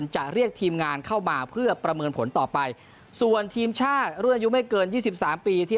จะเรียกทีมงานเข้ามาเพื่อประเมินผลต่อไปส่วนทีมชาติรุ่นอายุไม่เกินยี่สิบสามปีที่